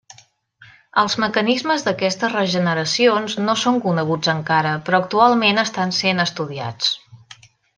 Els mecanismes d'aquestes regeneracions no són coneguts encara, però actualment estan sent estudiats.